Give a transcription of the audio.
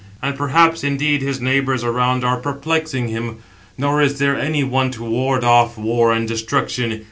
And perhaps indeed his neighbours around are perplexing him, nor is there any one to ward off war and destruction.